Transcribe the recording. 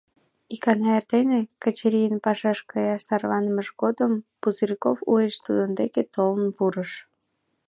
Икана эрдене, Качырийын пашаш каяш тарванымыж годым, Пузырьков уэш тудын деке толын пурыш.